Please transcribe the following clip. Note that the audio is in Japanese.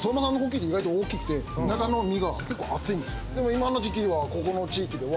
今の時期はここの地域では結構。